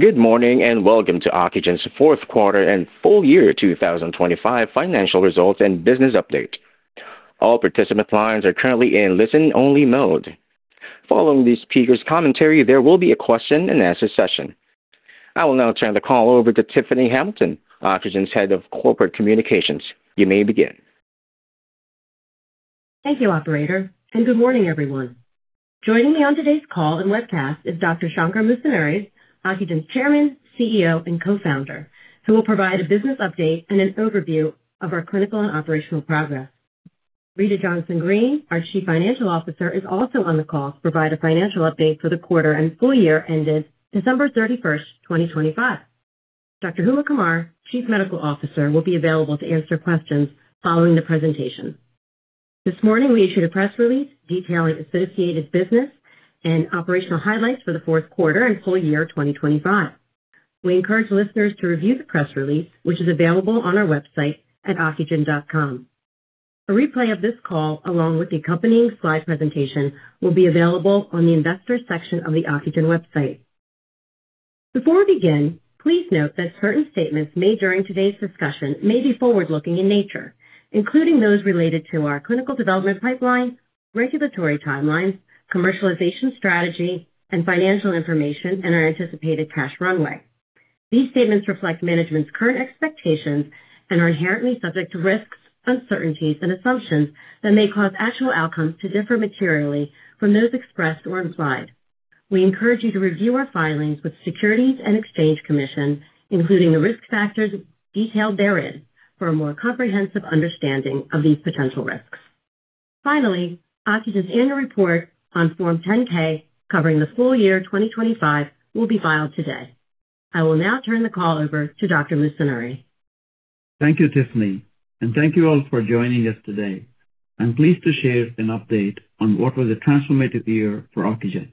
Good morning, and welcome to Ocugen's fourth quarter and full year 2025 financial results and business update. All participant lines are currently in listen-only mode. Following the speakers' commentary, there will be a question-and-answer session. I will now turn the call over to Tiffany Hamilton, Ocugen's Head of Corporate Communications. You may begin. Thank you, operator, and good morning, everyone. Joining me on today's call and webcast is Dr. Shankar Musunuri, Ocugen's Chairman, CEO, and Co-founder, who will provide a business update and an overview of our clinical and operational progress. Rita Johnson-Greene, our Chief Financial Officer, is also on the call to provide a financial update for the quarter and full year ended December 31st, 2025. Dr. Huma Qamar, Chief Medical Officer, will be available to answer questions following the presentation. This morning, we issued a press release detailing associated business and operational highlights for the fourth quarter and full year 2025. We encourage listeners to review the press release, which is available on our website at ocugen.com. A replay of this call, along with the accompanying slide presentation, will be available on the investor section of the Ocugen website. Before we begin, please note that certain statements made during today's discussion may be forward-looking in nature, including those related to our clinical development pipeline, regulatory timelines, commercialization strategy, and financial information, and our anticipated cash runway. These statements reflect management's current expectations and are inherently subject to risks, uncertainties, and assumptions that may cause actual outcomes to differ materially from those expressed or implied. We encourage you to review our filings with Securities and Exchange Commission, including the risk factors detailed therein, for a more comprehensive understanding of these potential risks. Finally, Ocugen's annual report on Form 10-K, covering the full year 2025, will be filed today. I will now turn the call over to Dr. Musunuri. Thank you, Tiffany. Thank you all for joining us today. I'm pleased to share an update on what was a transformative year for Ocugen.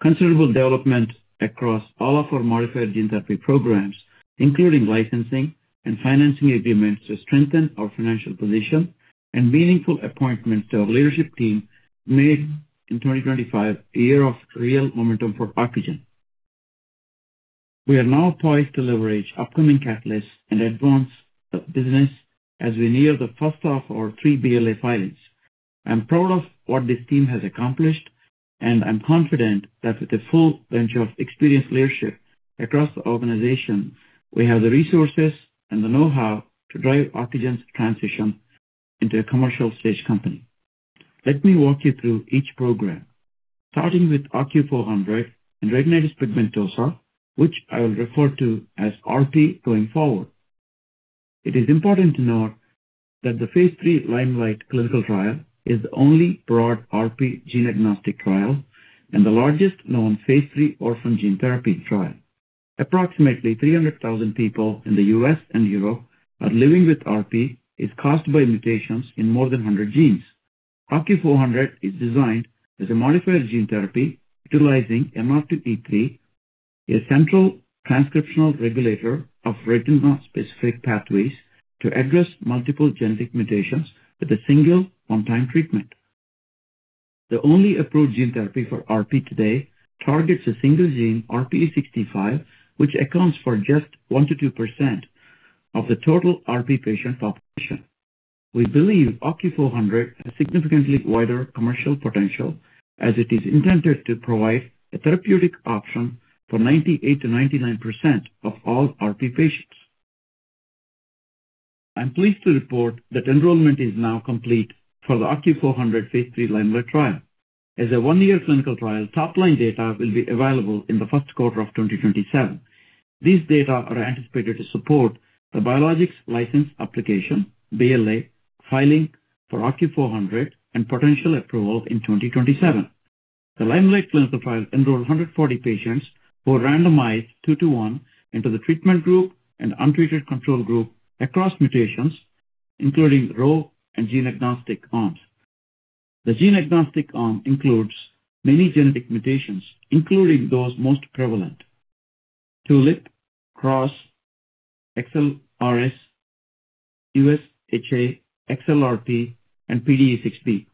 Considerable development across all of our modifier gene therapy programs, including licensing and financing agreements to strengthen our financial position and meaningful appointments to our leadership team made in 2025 a year of real momentum for Ocugen. We are now poised to leverage upcoming catalysts and advance the business as we near the first of our three BLA filings. I'm proud of what this team has accomplished, and I'm confident that with a full bench of experienced leadership across the organization, we have the resources and the know-how to drive Ocugen's transition into a commercial stage company. Let me walk you through each program, starting with OCU400 and retinitis pigmentosa, which I will refer to as RP going forward. It is important to note that the phase III liMeliGhT clinical trial is the only broad RP gene agnostic trial and the largest known phase III orphan gene therapy trial. Approximately 300,000 people in the U.S. and Europe are living with RP is caused by mutations in more than 100 genes. OCU400 is designed as a modifier gene therapy utilizing NR2E3, a central transcriptional regulator of retinal specific pathways, to address multiple genetic mutations with a single one-time treatment. The only approved gene therapy for RP today targets a single gene, RPE65, which accounts for just 1%-2% of the total RP patient population. We believe OCU400 has significantly wider commercial potential as it is intended to provide a therapeutic option for 98%-99% of all RP patients. I'm pleased to report that enrollment is now complete for the OCU400 phase III liMeliGhT trial. As a one-year clinical trial, top-line data will be available in the first quarter of 2027. These data are anticipated to support the Biologics License Application, BLA, filing for OCU400 and potential approval in 2027. The liMeliGhT clinical trial enrolled 140 patients who were randomized two to one into the treatment group and untreated control group across mutations, including RHO and gene-agnostic arms. The gene-agnostic arm includes many genetic mutations, including those most prevalent: TULP1, CRX, XLRS, USH2A, XLRP, and PDE6B.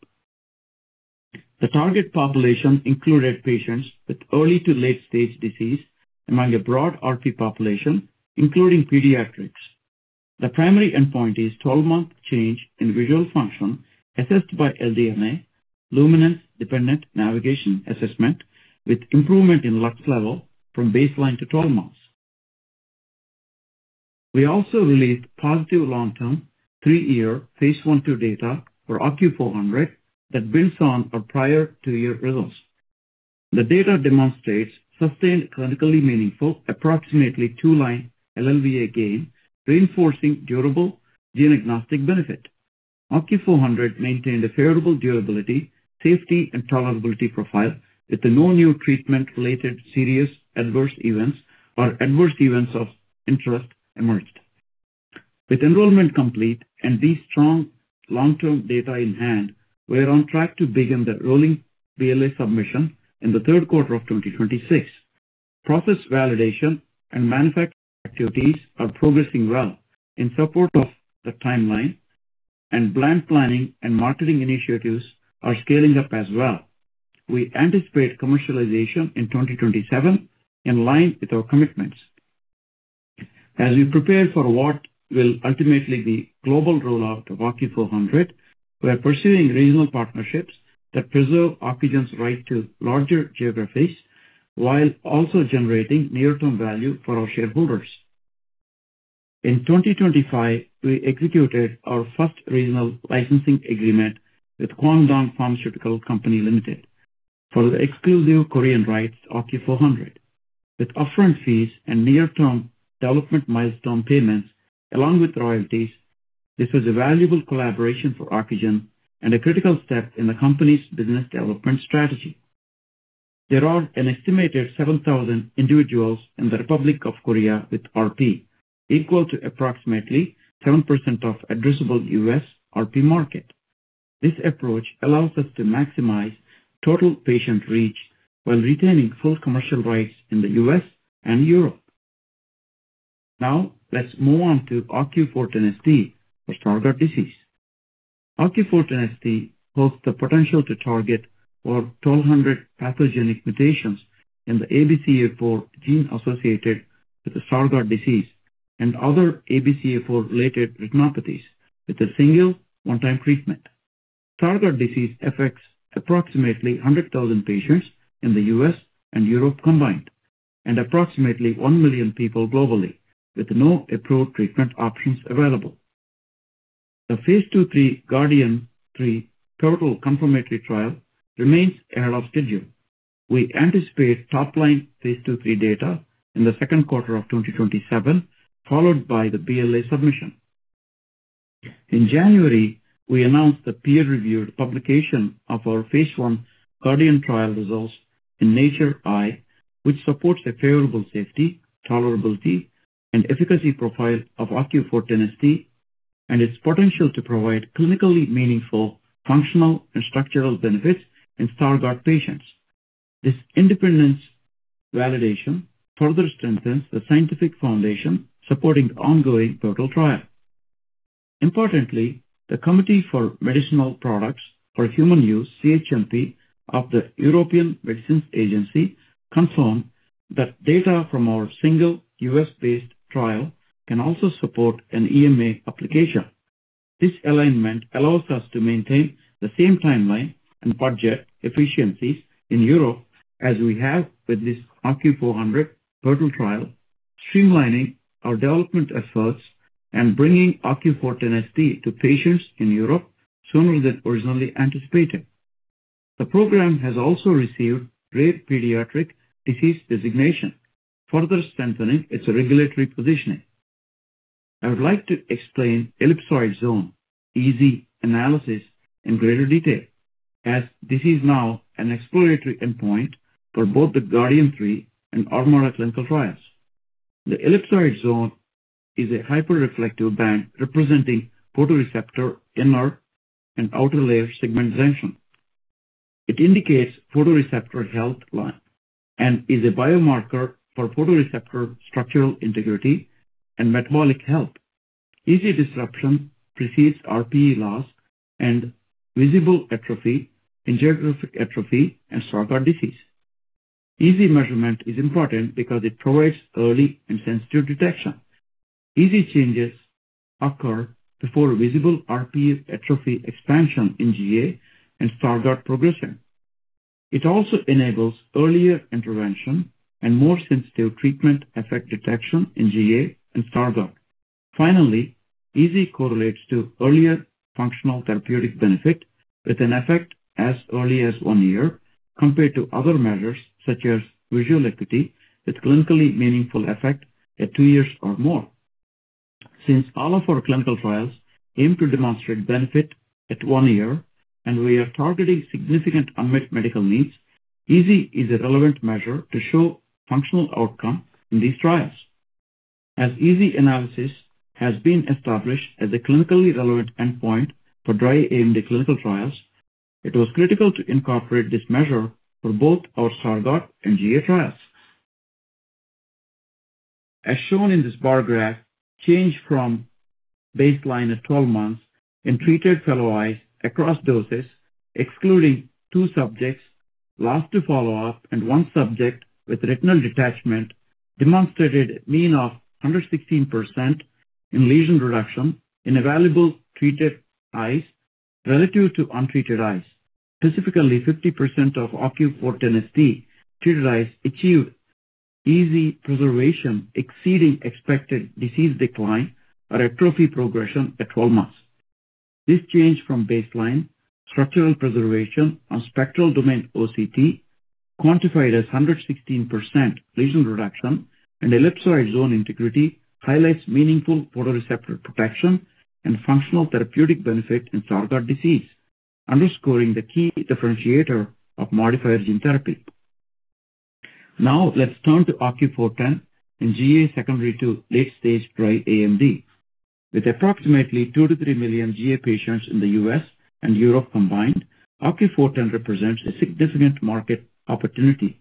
The target population included patients with early to late stage disease among a broad RP population, including pediatrics. The primary endpoint is 12-month change in visual function assessed by LDNA, Luminance Dependent Navigation Assessment, with improvement in lux level from baseline to 12 months. We also released positive long-term three-year phase I/II data for OCU400 that builds on our prior two-year results. The data demonstrates sustained, clinically meaningful approximately two-line LLVA gain, reinforcing durable gene agnostic benefit. OCU400 maintained a favorable durability, safety, and tolerability profile with the no new treatment-related serious adverse events or adverse events of interest emerged. With enrollment complete and these strong long-term data in hand, we are on track to begin the rolling BLA submission in the 3rd quarter of 2026. Process validation and manufacturing activities are progressing well in support of the timeline. Plant planning and marketing initiatives are scaling up as well. We anticipate commercialization in 2027 in line with our commitments. As we prepare for what will ultimately be global rollout of OCU400, we are pursuing regional partnerships that preserve Ocugen's right to larger geographies while also generating near-term value for our shareholders. In 2025, we executed our first regional licensing agreement with Kwangdong Pharmaceutical Company Limited for the exclusive Korean rights OCU400. With upfront fees and near-term development milestone payments along with royalties, this was a valuable collaboration for Ocugen and a critical step in the company's business development strategy. There are an estimated 7,000 individuals in the Republic of Korea with RP, equal to approximately 7% of addressable U.S. RP market. This approach allows us to maximize total patient reach while retaining full commercial rights in the U.S. and Europe. Now, let's move on to OCU410ST for Stargardt disease. OCU410ST holds the potential to target over 1,200 pathogenic mutations in the ABCA4 gene associated with the Stargardt disease and other ABCA4-related retinopathies with a single one-time treatment. Stargardt disease affects approximately 100,000 patients in the U.S. and Europe combined, and approximately one million people globally with no approved treatment options available. The phase II/III GARDian3 pivotal confirmatory trial remains ahead of schedule. We anticipate top line phase II/III data in the 2Q 2027, followed by the BLA submission. In January, we announced the peer-reviewed publication of our phase I GARDian trial results in Eye, which supports the favorable safety, tolerability, and efficacy profile of OCU410ST and its potential to provide clinically meaningful functional and structural benefits in Stargardt patients. This independent validation further strengthens the scientific foundation supporting the ongoing pivotal trial. Importantly, the Committee for Medicinal Products for Human Use, CHMP, of the European Medicines Agency confirmed that data from our single U.S.-based trial can also support an EMA application. This alignment allows us to maintain the same timeline and budget efficiencies in Europe as we have with this OCU400 pivotal trial, streamlining our development efforts and bringing OCU410ST to patients in Europe sooner than originally anticipated. The program has also received Rare Pediatric Disease Designation, further strengthening its regulatory positioning. I would like to explain Ellipsoid Zone, EZ analysis in greater detail, as this is now an exploratory endpoint for both the GARDian3 and ArMaDa clinical trials. The Ellipsoid Zone is a hyperreflective band representing photoreceptor inner and outer layer segmentation. It indicates photoreceptor health and is a biomarker for photoreceptor structural integrity and metabolic health. EZ disruption precedes RPE loss and visible atrophy in geographic atrophy and Stargardt disease. EZ measurement is important because it provides early and sensitive detection. EZ changes occur before visible RPE atrophy expansion in GA and Stargardt progression. It also enables earlier intervention and more sensitive treatment effect detection in GA and Stargardt. Finally, EZ correlates to earlier functional therapeutic benefit with an effect as early as one year compared to other measures such as visual acuity with clinically meaningful effect at two years or more. Since all of our clinical trials aim to demonstrate benefit at one year, and we are targeting significant unmet medical needs, EZ is a relevant measure to show functional outcome in these trials. As EZ analysis has been established as a clinically relevant endpoint for dry AMD clinical trials, it was critical to incorporate this measure for both our Stargardt and GA trials. As shown in this bar graph, change from baseline at 12 months in treated fellow eyes across doses, excluding two subjects lost to follow-up and one subject with retinal detachment, demonstrated mean of 116% in lesion reduction in available treated eyes relative to untreated eyes. Specifically, 50% of OCU410ST treated eyes achieved EZ preservation exceeding expected disease decline or atrophy progression at 12 months. This change from baseline structural preservation on spectral domain OCT quantified as 116% lesion reduction and ellipsoid zone integrity highlights meaningful photoreceptor protection and functional therapeutic benefit in Stargardt disease, underscoring the key differentiator of modifier gene therapy. Let's turn to OCU410 in GA secondary to late stage dry AMD. With approximately 2 million-3 million GA patients in the U.S. and Europe combined, OCU410 represents a significant market opportunity.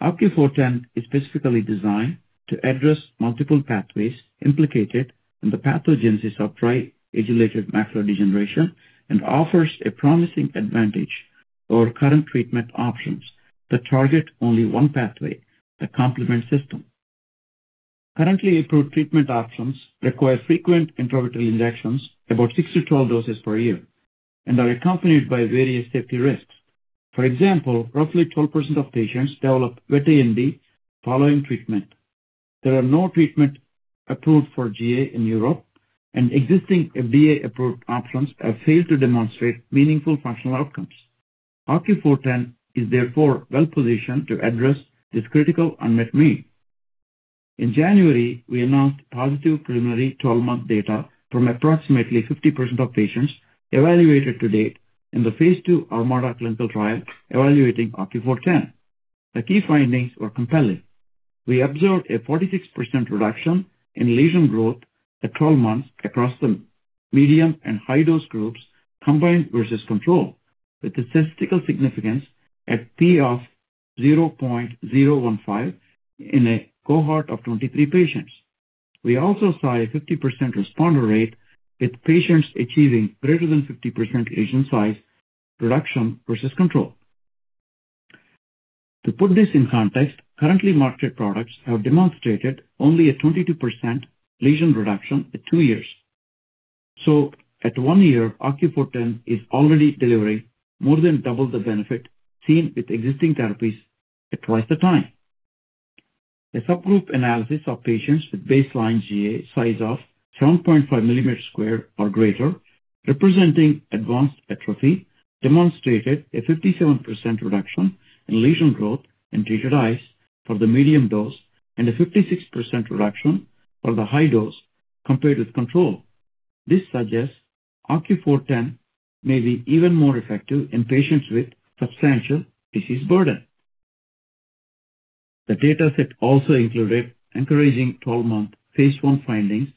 OCU410 is specifically designed to address multiple pathways implicated in the pathogenesis of dry age-related macular degeneration and offers a promising advantage over current treatment options that target only one pathway, the complement system. Currently approved treatment options require frequent intravitreal injections, about 6-12 doses per year, and are accompanied by various safety risks. For example, roughly 12% of patients develop vitritis following treatment. There are no treatment approved for GA in Europe, and existing FDA-approved options have failed to demonstrate meaningful functional outcomes. OCU410 is therefore well-positioned to address this critical unmet need. In January, we announced positive preliminary 12-month data from approximately 50% of patients evaluated to date in the phase II ArMaDa clinical trial evaluating OCU410. The key findings were compelling. We observed a 46% reduction in lesion growth at 12 months across the medium and high-dose groups combined versus control, with statistical significance at P of 0.015 in a cohort of 23 patients. We also saw a 50% responder rate, with patients achieving greater than 50% lesion size reduction versus control. To put this in context, currently marketed products have demonstrated only a 22% lesion reduction at two years. At one year, OCU410 is already delivering more than double the benefit seen with existing therapies at twice the time. A subgroup analysis of patients with baseline GA size of 7.5 mm square or greater, representing advanced atrophy, demonstrated a 57% reduction in lesion growth in treated eyes for the medium dose and a 56% reduction for the high dose compared with control. This suggests OCU410 may be even more effective in patients with substantial disease burden. The dataset also included encouraging 12-month phase I findings,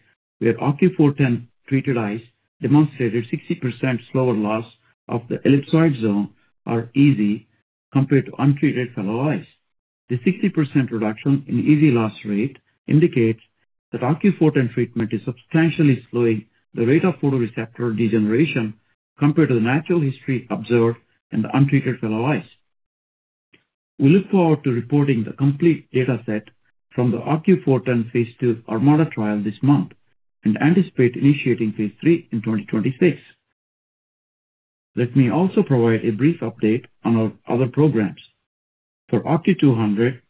where OCU410-treated eyes demonstrated 60% slower loss of the ellipsoid zone or EZ compared to untreated fellow eyes. The 60% reduction in EZ loss rate indicates that OCU410 treatment is substantially slowing the rate of photoreceptor degeneration compared to the natural history observed in the untreated fellow eyes. We look forward to reporting the complete dataset from the OCU410 phase II ArMaDa trial this month and anticipate initiating phase III in 2026. Let me also provide a brief update on our other programs. For OCU200,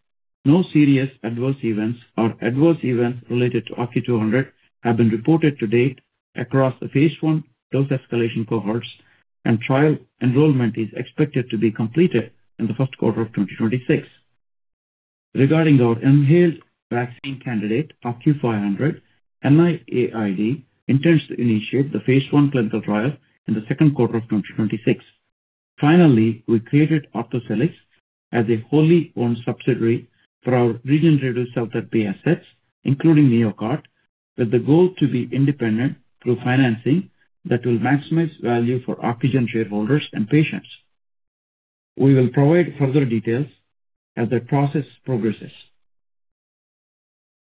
no serious adverse events or adverse events related to OCU200 have been reported to date across the phase I dose escalation cohorts, and trial enrollment is expected to be completed in the first quarter of 2026. Regarding our inhaled vaccine candidate, OCU500, NIAID intends to initiate the phase I clinical trial in the second quarter of 2026. Finally, we created Ocucelix as a wholly-owned subsidiary for our regenerative cell therapy assets, including NeoCart, with the goal to be independent through financing that will maximize value for Ocugen shareholders and patients. We will provide further details as the process progresses.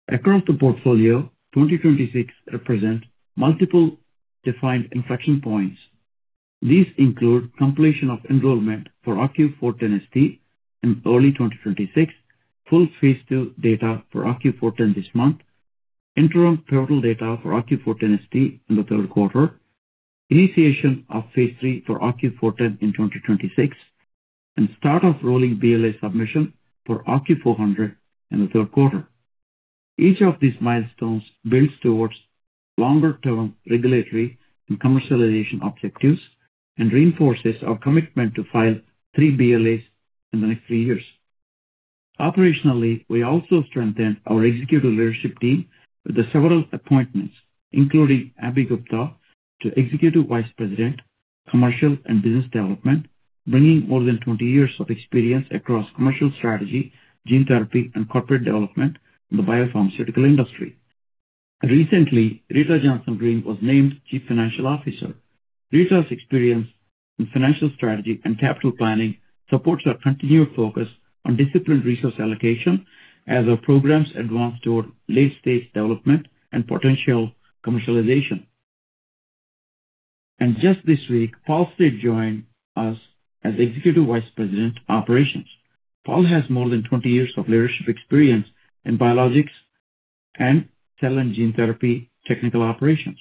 Across the portfolio, 2026 represent multiple defined inflection points. These include completion of enrollment for OCU410ST in early 2026, full phase II data for OCU410 this month, interim pivotal data for OCU410ST in the third quarter, initiation of phase III for OCU410 in 2026, and start of rolling BLA submission for OCU400 in the third quarter. Each of these milestones builds towards longer-term regulatory and commercialization objectives and reinforces our commitment to file three BLAs in the next three years. Operationally, we also strengthened our executive leadership team with several appointments, including Abhi Gupta to Executive Vice President, Commercial and Business Development, bringing more than 20 years of experience across commercial strategy, gene therapy, and corporate development in the biopharmaceutical industry. Recently, Rita Johnson-Greene was named Chief Financial Officer. Rita's experience in financial strategy and capital planning supports our continued focus on disciplined resource allocation as our programs advance toward late-stage development and potential commercialization. Just this week, Paul Slade joined us as Executive Vice President, Operations. Paul has more than 20 years of leadership experience in biologics and cell and gene therapy technical operations.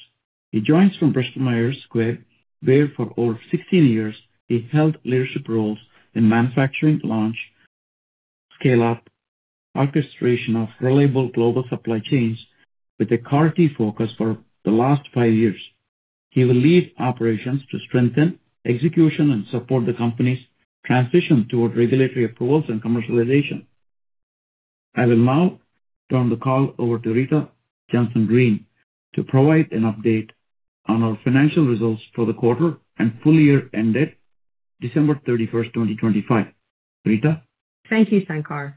He joins from Bristol Myers Squibb, where for over 16 years, he held leadership roles in manufacturing launch, scale-up, orchestration of reliable global supply chains with a CAR T focus for the last five years. He will lead operations to strengthen execution and support the company's transition toward regulatory approvals and commercialization. I will now turn the call over to Rita Johnson-Greene to provide an update on our financial results for the quarter and full year ended December 31st, 2025. Rita. Thank you, Sankar.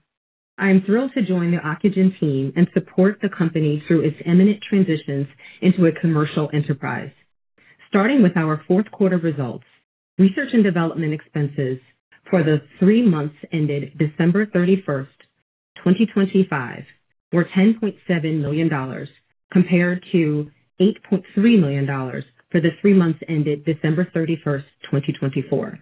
I am thrilled to join the Ocugen team and support the company through its imminent transitions into a commercial enterprise. Starting with our fourth quarter results, research and development expenses for the three months ended December 31st, 2025 were $10.7 million compared to $8.3 million for the three months ended December 31st, 2024.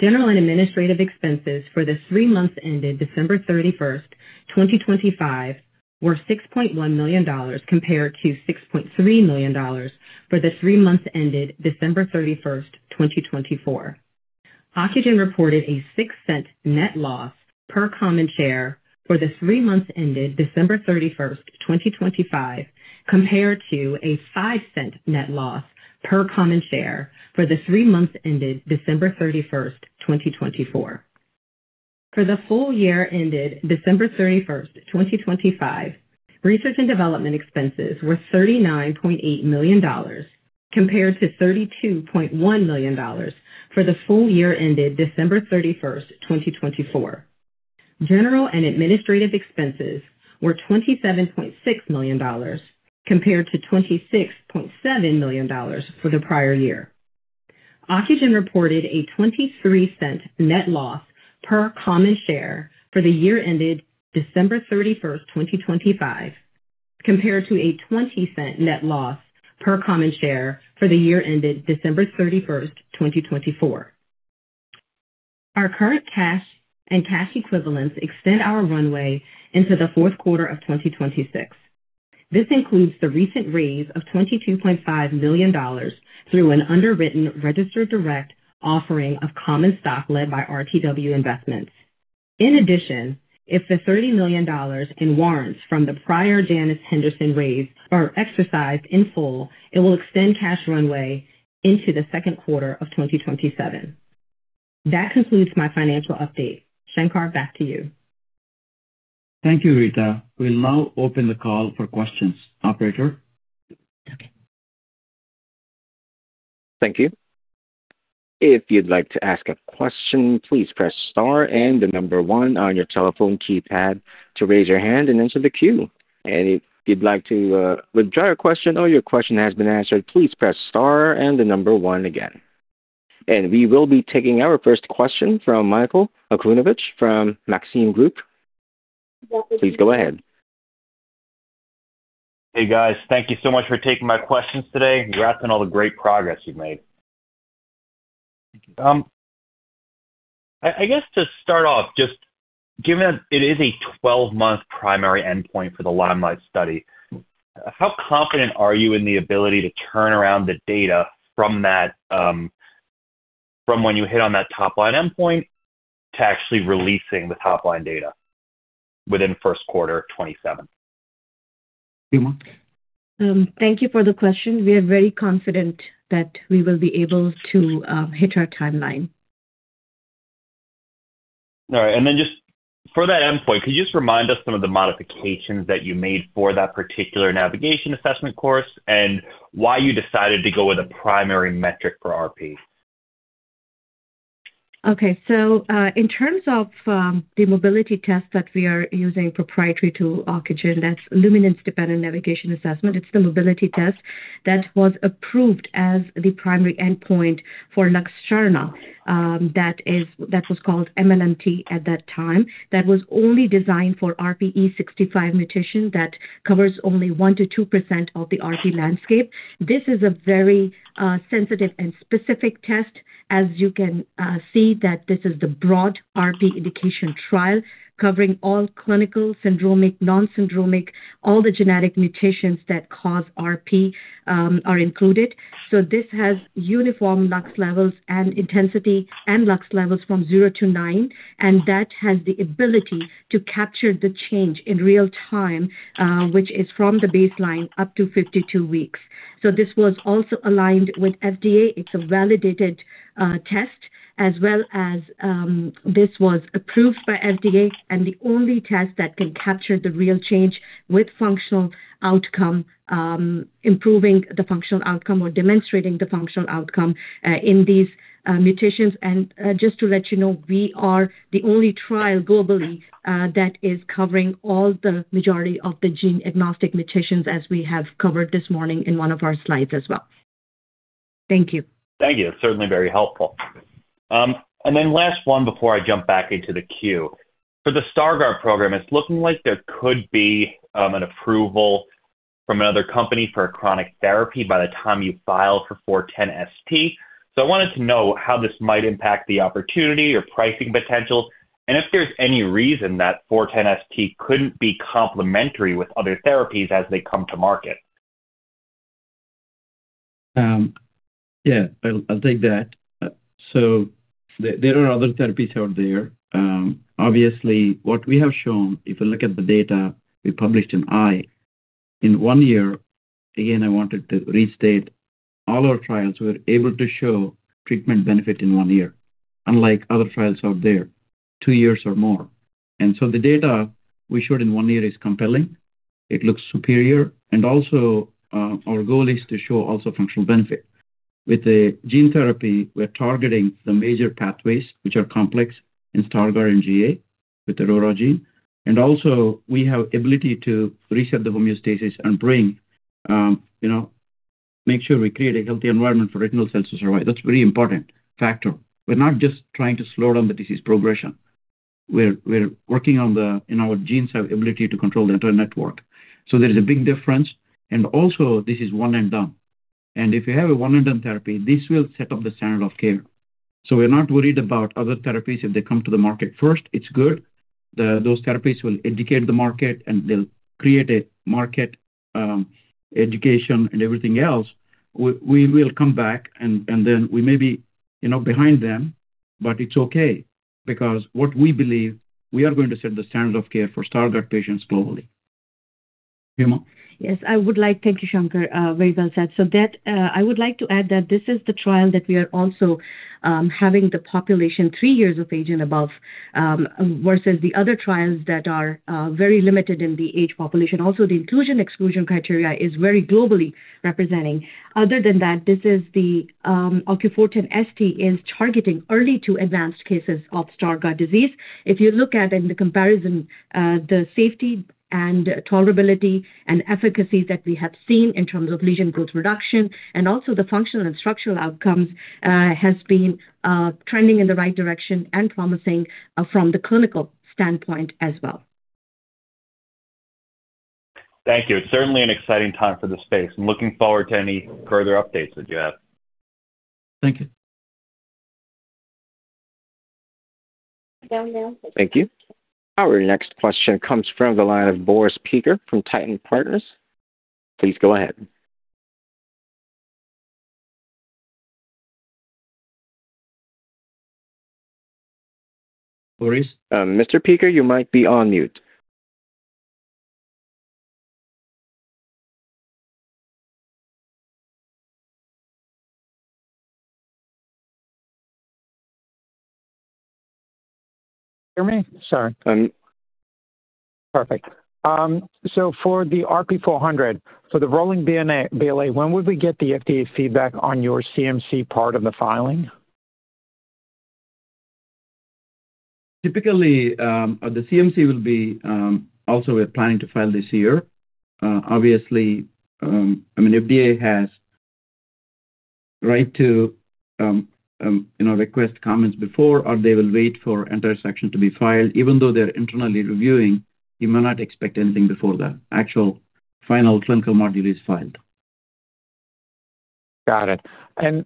General and administrative expenses for the three months ended December 31st, 2025 were $6.1 million compared to $6.3 million for the three months ended December 31st, 2024. Ocugen reported a $0.06 net loss per common share for the three months ended December 31st, 2025 compared to a $0.05 net loss per common share for the three months ended December 31st, 2024. For the full year ended December 31st, 2025, research and development expenses were $39.8 million compared to $32.1 million for the full year ended December 31st, 2024. General and administrative expenses were $27.6 million compared to $26.7 million for the prior year. Ocugen reported a $0.23 net loss per common share for the year ended December 31st, 2025 compared to a $0.20 net loss per common share for the year ended December 31st, 2024. Our current cash and cash equivalents extend our runway into the fourth quarter of 2026. This includes the recent raise of $22.5 million through an underwritten registered direct offering of common stock led by RTW Investments. In addition, if the $30 million in warrants from the prior Janus Henderson raise are exercised in full, it will extend cash runway into the second quarter of 2027. That concludes my financial update. Shankar, back to you. Thank you, Rita. We'll now open the call for questions. Operator? Thank you. If you'd like to ask a question, please press star and one on your telephone keypad to raise your hand and enter the queue. If you'd like to withdraw your question or your question has been answered, please press star and one again. We will be taking our first question from Michael Okunewitch from Maxim Group. Please go ahead. Hey, guys. Thank you so much for taking my questions today. Congrats on all the great progress you've made. I guess to start off, just given that it is a 12-month primary endpoint for the liMeliGhT study, how confident are you in the ability to turn around the data from that, from when you hit on that top-line endpoint to actually releasing the top-line data within first quarter 2027? Huma? Thank you for the question. We are very confident that we will be able to hit our timeline. All right. Just for that endpoint, could you just remind us some of the modifications that you made for that particular navigation assessment course and why you decided to go with a primary metric for RP? In terms of the mobility test that we are using proprietary to Ocugen, that's Luminance Dependent Navigation Assessment. It's the mobility test that was approved as the primary endpoint for Luxturna, that was called MLMT at that time. That was only designed for RPE65 mutation that covers only 1%-2% of the RP landscape. This is a very sensitive and specific test. As you can see that this is the broad RP indication trial covering all clinical, syndromic, non-syndromic. All the genetic mutations that cause RP are included. This has uniform lux levels and intensity and lux levels from 0-9, and that has the ability to capture the change in real time, which is from the baseline up to 52 weeks. This was also aligned with FDA. It's a validated, test as well as, this was approved by FDA and the only test that can capture the real change with functional outcome, improving the functional outcome or demonstrating the functional outcome in these mutations. Just to let you know, we are the only trial globally, that is covering all the majority of the gene agnostic mutations as we have covered this morning in one of our slides as well. Thank you. Thank you. Certainly very helpful. Last one before I jump back into the queue. For the Stargardt program, it's looking like there could be an approval from another company for a chronic therapy by the time you file for OCU410ST. I wanted to know how this might impact the opportunity or pricing potential and if there's any reason that OCU410ST couldn't be complementary with other therapies as they come to market. Yeah, I'll take that. There are other therapies out there. Obviously what we have shown, if you look at the data we published in Eye, in one year, again, I wanted to restate all our trials, we're able to show treatment benefit in one year, unlike other trials out there, two years or more. The data we showed in one year is compelling. It looks superior. Also, our goal is to show also functional benefit. With the gene therapy, we're targeting the major pathways which are complex in Stargardt and GA. With the RORA gene. Also we have ability to reset the homeostasis and bring, you know, make sure we create a healthy environment for retinal cells to survive. That's very important factor. We're not just trying to slow down the disease progression. We're working on the, in our genes have ability to control the entire network. There is a big difference. Also this is one and done. If you have a one-and-done therapy, this will set up the standard of care. We're not worried about other therapies if they come to the market first. It's good. Those therapies will educate the market, and they'll create a market education and everything else. We will come back and then we may be, you know, behind them, but it's okay because what we believe, we are going to set the standard of care for Stargardt patients globally. Huma? Yes. Thank you, Shankar. Very well said. That, I would like to add that this is the trial that we are also having the population 3 years of age and above, versus the other trials that are very limited in the age population. Also, the inclusion/exclusion criteria is very globally representing. Other than that, this is the OCU410ST is targeting early to advanced cases of Stargardt disease. If you look at in the comparison, the safety and tolerability and efficacy that we have seen in terms of lesion growth reduction and also the functional and structural outcomes has been trending in the right direction and promising from the clinical standpoint as well. Thank you. It's certainly an exciting time for the space and looking forward to any further updates that you have. Thank you. Down there. Thank you. Our next question comes from the line of Boris Peaker from Titan Partners. Please go ahead. Boris? Mr. Peaker, you might be on mute. Hear me? Sorry. Um. Perfect. for the OCU400, for the rolling BLA, when would we get the FDA feedback on your CMC part of the filing? Typically, the CMC will be, also we're planning to file this year. I mean, FDA has right to, you know, request comments before or they will wait for entire section to be filed. Even though they're internally reviewing, you may not expect anything before the actual final clinical module is filed. Got it.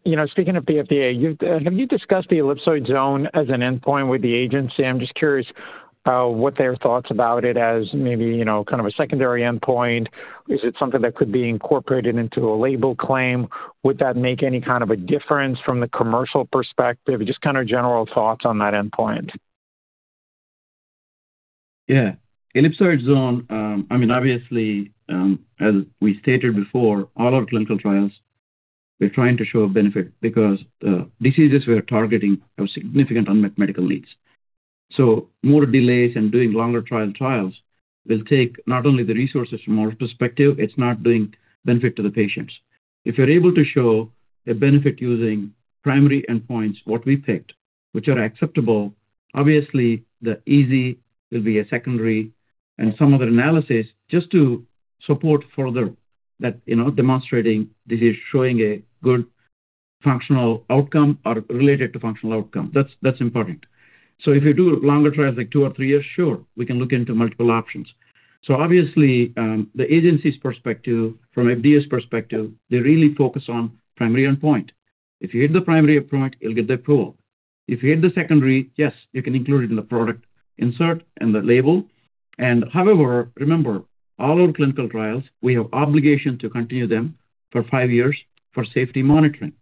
You know, speaking of the FDA, have you discussed the Ellipsoid Zone as an endpoint with the agency? I'm just curious what their thoughts about it as maybe, you know, kind of a secondary endpoint. Is it something that could be incorporated into a label claim? Would that make any kind of a difference from the commercial perspective? Just kind of general thoughts on that endpoint. Ellipsoid Zone, I mean, obviously, as we stated before, all our clinical trials, we're trying to show a benefit because diseases we are targeting have significant unmet medical needs. More delays and doing longer trials will take not only the resources from our perspective, it's not doing benefit to the patients. If you're able to show a benefit using primary endpoints, what we picked, which are acceptable, obviously, the EZ will be a secondary and some other analysis just to support further that, you know, demonstrating this is showing a good functional outcome or related to functional outcome. That's important. If you do longer trials like two or three years, sure, we can look into multiple options. Obviously, the agency's perspective from FDA's perspective, they really focus on primary endpoint. If you hit the primary endpoint, you'll get the approval. If you hit the secondary, yes, you can include it in the product insert and the label. However, remember, all our clinical trials, we have obligation to continue them for five years for safety monitoring.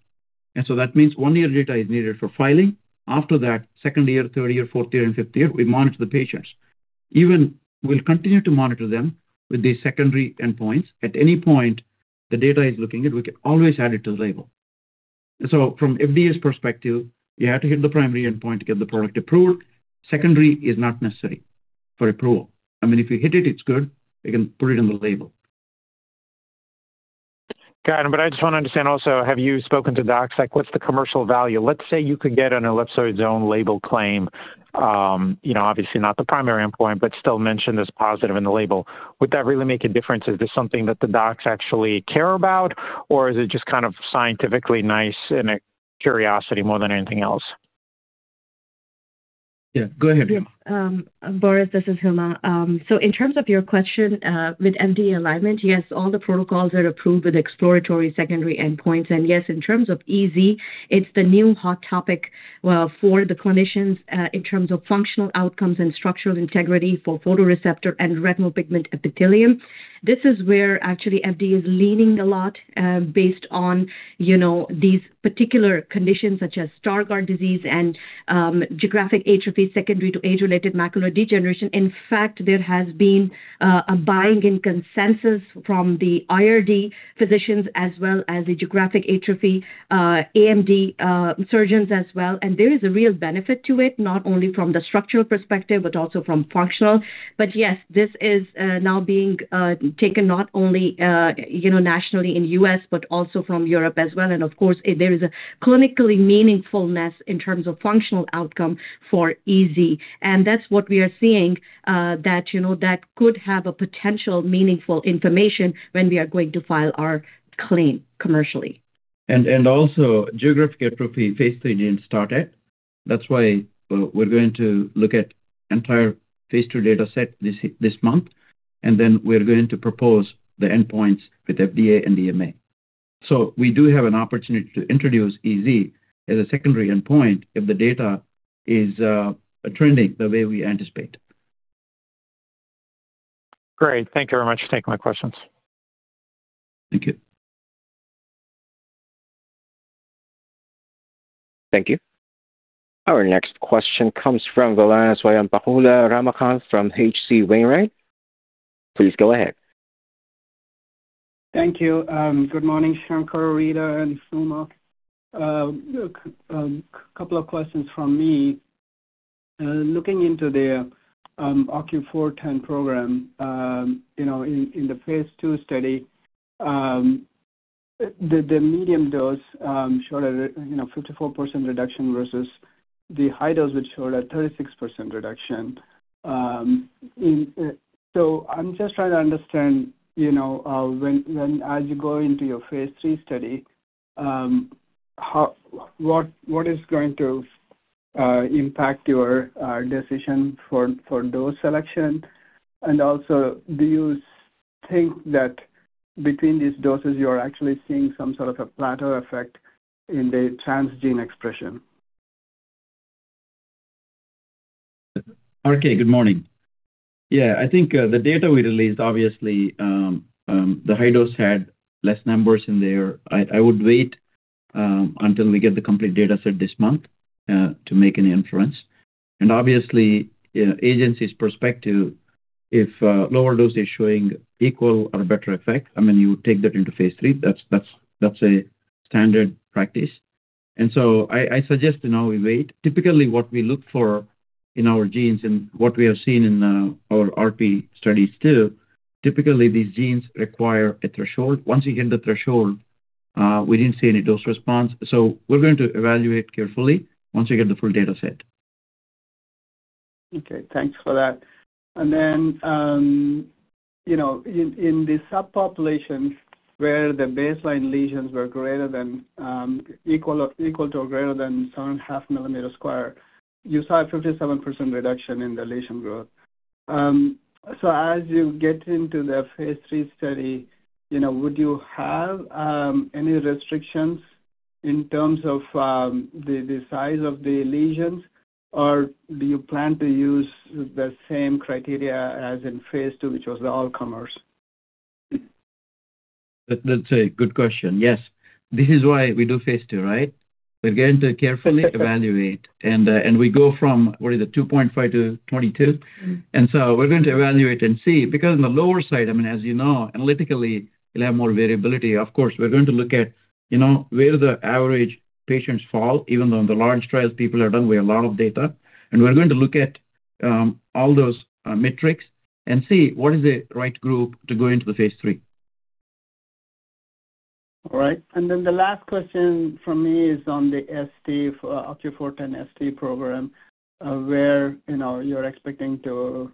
That means one year data is needed for filing. After that, second year, third year, fourth year, and fifth year, we monitor the patients. Even we'll continue to monitor them with the secondary endpoints. At any point, the data is looking good, we can always add it to the label. From FDA's perspective, you have to hit the primary endpoint to get the product approved. Secondary is not necessary for approval. I mean, if you hit it's good. You can put it in the label. Got it. I just want to understand also, have you spoken to docs? Like, what's the commercial value? Let's say you could get an Ellipsoid Zone label claim, you know, obviously not the primary endpoint but still mentioned as positive in the label. Would that really make a difference? Is this something that the docs actually care about, or is it just kind of scientifically nice and a curiosity more than anything else? Yeah. Go ahead, Huma. Yeah. Boris, this is Huma. In terms of your question, with MD alignment, yes, all the protocols are approved with exploratory secondary endpoints. Yes, in terms of EZ, it's the new hot topic for the clinicians, in terms of functional outcomes and structural integrity for photoreceptor and retinal pigment epithelium. This is where actually FDA is leaning a lot, based on, you know, these particular conditions such as Stargardt disease and geographic atrophy secondary to age-related macular degeneration. In fact, there has been a buying in consensus from the IRD physicians as well as the geographic atrophy, AMD, surgeons as well. There is a real benefit to it, not only from the structural perspective, but also from functional. Yes, this is now being taken not only, you know, nationally in U.S., but also from Europe as well. Of course, there is a clinically meaningfulness in terms of functional outcome for EZ. That's what we are seeing, that, you know, that could have a potential meaningful information when we are going to file our claim commercially. Also geographic atrophy phase III in Stargardt why we're going to look at entire phase II data set this month, then we're going to propose the endpoints with FDA and EMA. We do have an opportunity to introduce EZ as a secondary endpoint if the data is trending the way we anticipate. Great. Thank you very much for taking my questions. Thank you. Thank you. Our next question comes from the line of Swayampakula Ramakanth from H.C. Wainwright. Please go ahead. Thank you. Good morning, Shankar, Rita, and Huma. A couple of questions from me. Looking into the OCU410 program, you know, in the phase II study, the medium dose showed a, you know, 54% reduction versus the high dose which showed a 36% reduction. I'm just trying to understand, you know, when as you go into your phase III study, what is going to impact your decision for dose selection? And also, do you think that between these doses, you are actually seeing some sort of a plateau effect in the transgene expression? RK, good morning. Yeah. I think the data we released, obviously, the high dose had less numbers in there. I would wait until we get the complete data set this month to make any inference. Obviously, you know, agency's perspective, if a lower dose is showing equal or better effect, I mean, you take that into phase III. That's a standard practice. I suggest to now we wait. Typically, what we look for in our genes and what we have seen in our RP studies too, typically these genes require a threshold. Once you hit the threshold, we didn't see any dose response. We're going to evaluate carefully once we get the full data set. Okay. Thanks for that. you know, in the subpopulations where the baseline lesions were greater than, equal to or greater than 7.5 mm square, you saw a 57% reduction in the lesion growth. As you get into the phase III study, you know, would you have any restrictions in terms of the size of the lesions? Or do you plan to use the same criteria as in phase II, which was the all comers? That's a good question. Yes. This is why we do phase II, right? We're going to carefully evaluate and we go from, what is it, 2.5 to 22. We're going to evaluate and see. Because on the lower side, I mean, as you know, analytically, you'll have more variability. Of course, we're going to look at, you know, where the average patients fall, even though in the large trials people have done way a lot of data. We're going to look at all those metrics and see what is the right group to go into the phase III. All right. The last question from me is on the ST for, OCU410ST program, where, you know, you're expecting to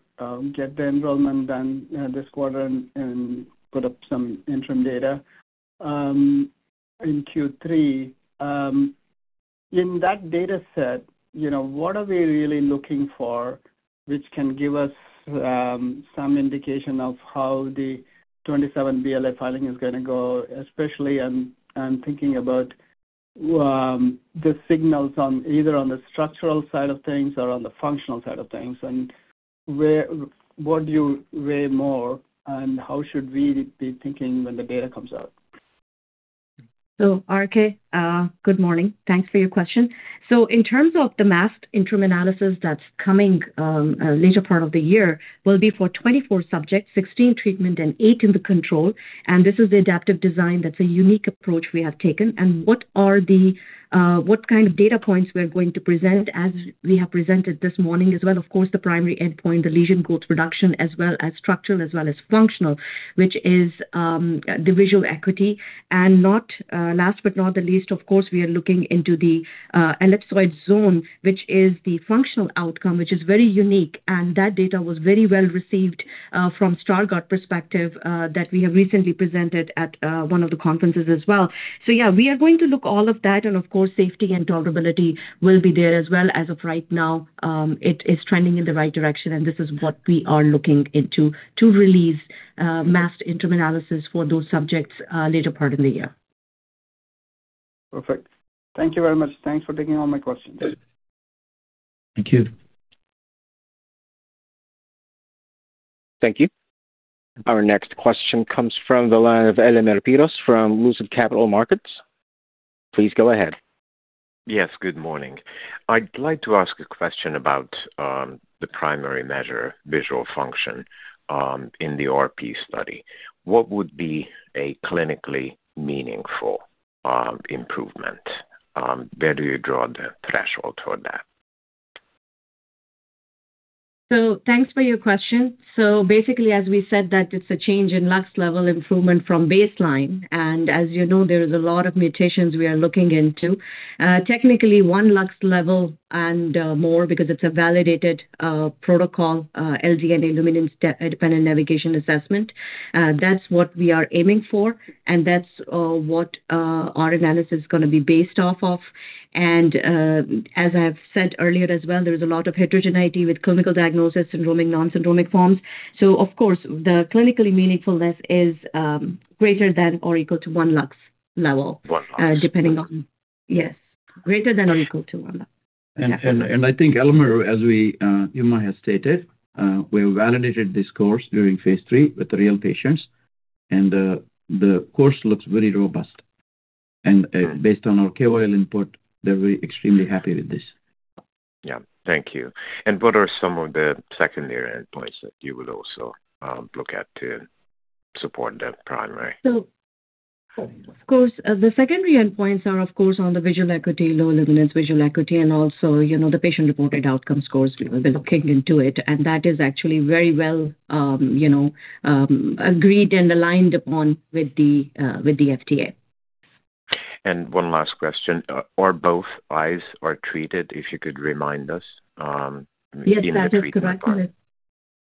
get the enrollment done this quarter and put up some interim data in Q3. In that data set, you know, what are we really looking for which can give us some indication of how the 2027 BLA filing is gonna go, especially I'm thinking about the signals on either on the structural side of things or on the functional side of things and where, what do you weigh more and how should we be thinking when the data comes out? RK, good morning. Thanks for your question. In terms of the masked interim analysis that's coming, later part of the year will be for 24 subjects, 16 treatment and eight in the control. This is the adaptive design that's a unique approach we have taken. What are the, what kind of data points we're going to present as we have presented this morning as well, of course, the primary endpoint, the lesion growth reduction, as well as structural as well as functional, which is, the visual acuity. Not last but not the least, of course, we are looking into the Ellipsoid Zone, which is the functional outcome, which is very unique. That data was very well received from Stargardt perspective, that we have recently presented at one of the conferences as well. Yeah, we are going to look all of that, and of course, safety and tolerability will be there as well. As of right now, it is trending in the right direction, and this is what we are looking into to release masked interim analysis for those subjects later part in the year. Perfect. Thank you very much. Thanks for taking all my questions. Thank you. Thank you. Our next question comes from the line of Elemer Piros from Lucid Capital Markets. Please go ahead. Yes, good morning. I'd like to ask a question about the primary measure visual function in the RP study. What would be a clinically meaningful improvement? Where do you draw the threshold for that? Thanks for your question. Basically, as we said that it's a change in lux level improvement from baseline. As you know, there is a lot of mutations we are looking into. Technically, 1 lux level and more because it's a validated protocol, LDNA and Luminance Dependent Navigation Assessment. That's what we are aiming for, and that's what our analysis is going to be based off of. As I've said earlier as well, there is a lot of heterogeneity with clinical diagnosis, syndromic, non-syndromic forms. Of course, the clinically meaningfulness is greater than or equal to 1 lux level. One lux. Depending on. Yes. Greater than or equal to 1 lux. I think Elemer Piros, as we, Huma Qamar has stated, we validated this course during phase III with the real patients, and, the course looks very robust. Based on our KOL input, they're very extremely happy with this. Yeah. Thank you. What are some of the secondary endpoints that you will also look at to support the primary? Of course, the secondary endpoints are, of course, on the visual acuity, low luminance visual acuity, and also, you know, the patient-reported outcome scores. We've been looking into it, and that is actually very well, you know, agreed and aligned upon with the FDA. One last question. Are both eyes treated, if you could remind us, in the treatment arm? Yes, that is correct.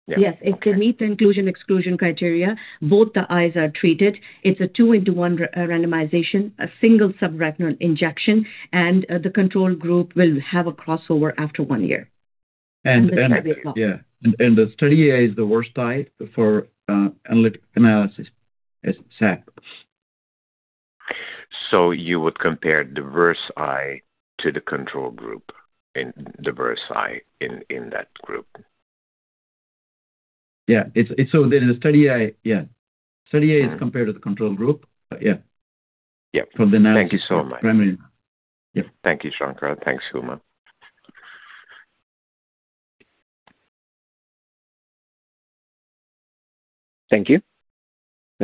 Yeah. Okay. Yes. If they meet the inclusion/exclusion criteria, both the eyes are treated. It's a two into one randomization, a single subretinal injection, and the control group will have a crossover after one year. Yeah. The study eye is the worst eye for analytic analysis. Yes, exactly. You would compare the worst eye to the control group and the worst eye in that group? Yeah. It's so the study eye, yeah. Study eye is compared with the control group. Yeah. Yeah. From the analysis primary. Thank you so much. Yeah. Thank you, Shankar. Thanks, Huma. Thank you.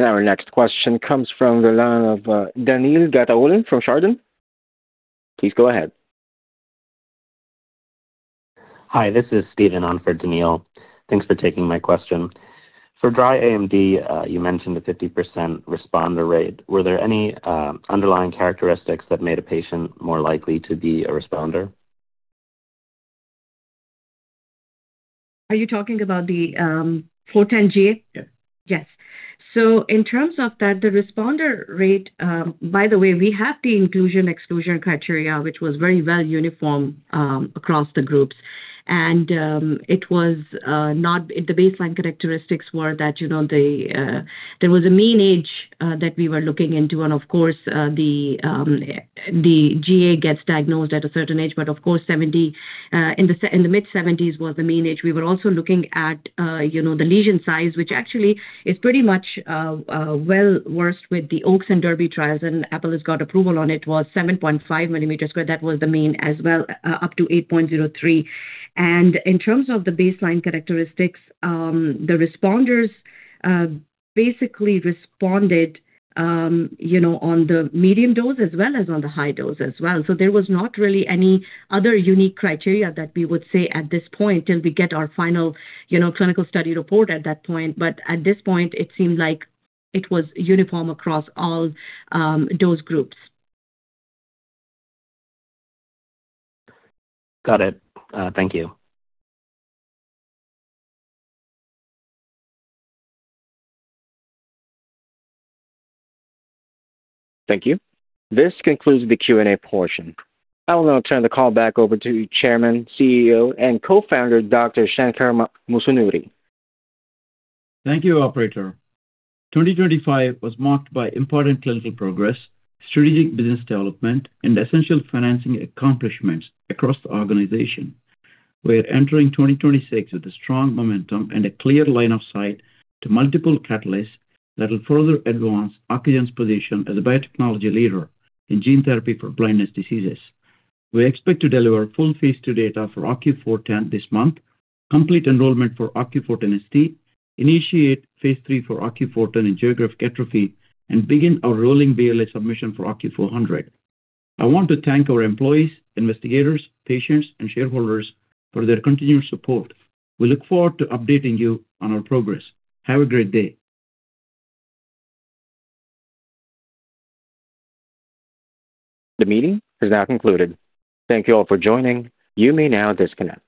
Our next question comes from the line of Daniil Gataulin from Chardan. Please go ahead. Hi, this is Steven on for Daniil. Thanks for taking my question. For dry AMD, you mentioned the 50% responder rate. Were there any underlying characteristics that made a patient more likely to be a responder? Are you talking about the 410 GA? Yes. Yes. In terms of that, the responder rate. By the way, we have the inclusion/exclusion criteria, which was very well uniform across the groups. It was, you know, the baseline characteristics were that, there was a mean age that we were looking into. Of course, the GA gets diagnosed at a certain age. Of course, 70 in the mid-seventies was the mean age. We were also looking at, you know, the lesion size, which actually is pretty much well worse with the OAKS and DERBY trials, and Apellis has got approval on it, was 7.5 mm squared. That was the mean as well, up to 8.03. In terms of the baseline characteristics, the responders basically responded, you know, on the medium dose as well as on the high dose as well. There was not really any other unique criteria that we would say at this point till we get our final, you know, clinical study report at that point. At this point, it seemed like it was uniform across all dose groups. Got it. Thank you. Thank you. This concludes the Q&A portion. I will now turn the call back over to Chairman, CEO, and Co-founder, Dr. Shankar Musunuri. Thank you, operator. 2025 was marked by important clinical progress, strategic business development, and essential financing accomplishments across the organization. We're entering 2026 with a strong momentum and a clear line of sight to multiple catalysts that will further advance Ocugen's position as a biotechnology leader in gene therapy for blindness diseases. We expect to deliver full phase II data for OCU410 this month, complete enrollment for OCU410ST, initiate phase III for OCU410 in geographic atrophy, and begin our rolling BLA submission for OCU400. I want to thank our employees, investigators, patients, and shareholders for their continued support. We look forward to updating you on our progress. Have a great day. The meeting is now concluded. Thank you all for joining. You may now disconnect.